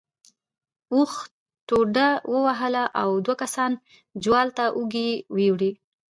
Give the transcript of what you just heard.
اوښ ټوډه ووهله او دوو کسانو جوال ته اوږې ورکړې.